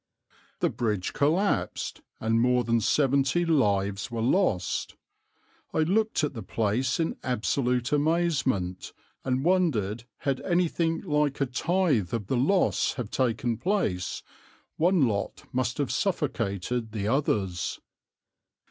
The bridge collapsed, and more than seventy lives were lost. I looked at the place in absolute amazement, and wondered had anything like a tithe of the loss have taken place; one lot must have suffocated the others."